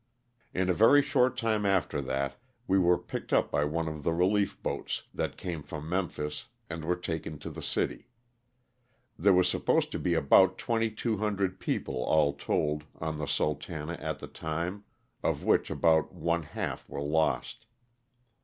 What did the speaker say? In a very short time after that wo were picked up by one of the relief boats that came from Memphis and were taken to the city. There was supposed to be about 2,200 people, all told, on the '^Sultana'' at the tim.e, of which about one half were lost.